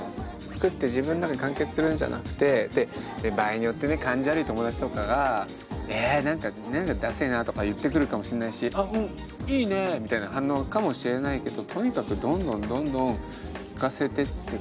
作って自分の中で完結するんじゃなくて場合によってね感じ悪い友達とかがえ何か何かダセえなとか言ってくるかもしんないし「あうんいいね」みたいな反応かもしれないけどとにかくどんどんどんどん聴かせてってください。